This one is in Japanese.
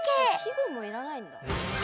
季語もいらないんだ。